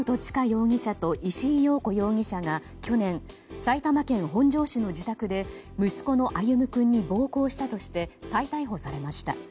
容疑者と石井陽子容疑者が去年埼玉県本庄市の自宅で息子の歩夢君に暴行したとして再逮捕されました。